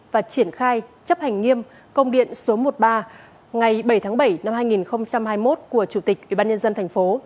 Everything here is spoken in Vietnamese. và triển khai chấp hành nghiêm công điện số một mươi ba ngày bảy tháng bảy năm hai nghìn hai mươi một của chủ tịch ủy ban nhân dân tp